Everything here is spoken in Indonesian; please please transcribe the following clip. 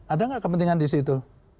ada nggak kepentingan di situ